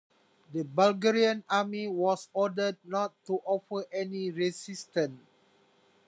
The Bulgarian Army was ordered not to offer any resistance.